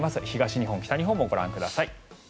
東日本、北日本もご覧ください。